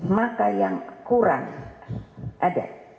maka yang kurang ada